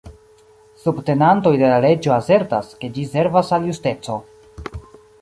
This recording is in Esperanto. Subtenantoj de la leĝo asertas, ke ĝi servas al justeco.